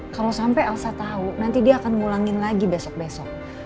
kalau sampai elsa tahu nanti dia akan ngulangin lagi besok besok